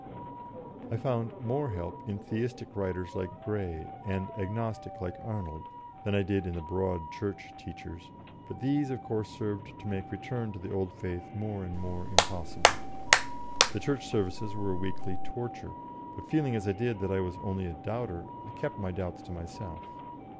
I found more help in Theistic writers like Grey, and Agnostic like Arnold, than I did in the Broad Church teachers, but these, of course, served to make return to the old faith more and more impossible. The Church services were a weekly torture, but feeling as I did that I was only a doubter, I kept my doubts to myself.